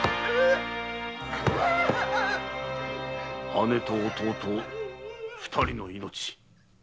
姉と弟二人の命。